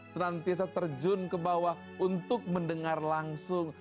senantiasa terjun ke bawah untuk mendengar langsung